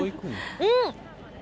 うん！